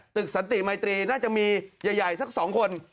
ตึกสันติมัยตรีน่าจะมีใหญ่สัก๒คน